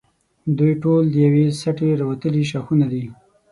دوی ټول د یوې سټې راوتلي ښاخونه دي.